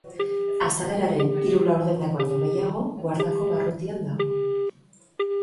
Azaleraren hiru laurdenak baino gehiago Guardako barrutian dago.